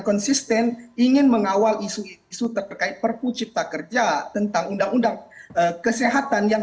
konsisten ingin mengawal isu isu terkait perpu cipta kerja tentang undang undang kesehatan yang